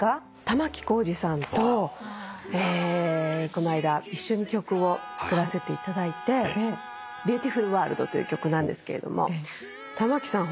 玉置浩二さんとこの間一緒に曲を作らせていただいて『ＢｅａｕｔｉｆｕｌＷｏｒｌｄ』という曲なんですけれども玉置さん